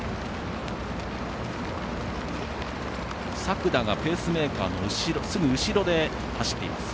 作田がペースメーカーのすぐ後ろで走っています。